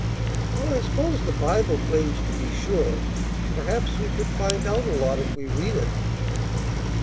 "Well, I s'pose the Bible claims to be sure. Perhaps we could find out a lot if we read it."